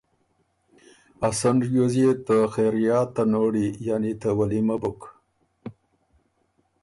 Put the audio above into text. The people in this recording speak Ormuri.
ا سن ریوز يې ته خېریات ته نوړی یعنی ته ولیمۀ بُک۔